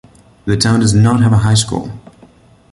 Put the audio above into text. The town does not have a high school.